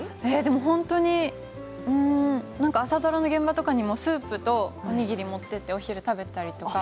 本当に朝ドラの現場とかにもスープとおにぎりを持っていって、お昼食べたりとか。